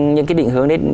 những cái định hướng